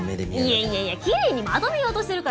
いやいやいやきれいにまとめようとしてるから。